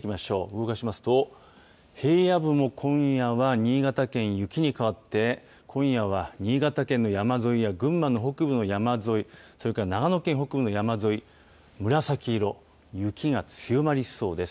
動かしますと、平野部も今夜は新潟県、雪に変わって、今夜は新潟県の山沿いや群馬の北部の山沿い、それから長野県北部の山沿い、紫色、雪が強まりそうです。